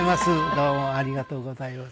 ありがとうございます。